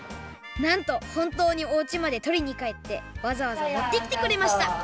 なんとほんとうにおうちまでとりにかえってわざわざ持ってきてくれました！